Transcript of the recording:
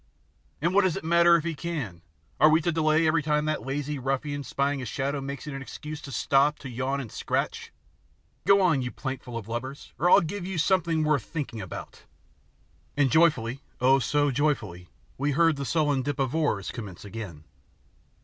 "And what does it matter if he can? Are we to delay every time that lazy ruffian spying a shadow makes it an excuse to stop to yawn and scratch? Go on, you plankful of lubbers, or I'll give you something worth thinking about!" And joyfully, oh, so joyfully, we heard the sullen dip of oars commence again.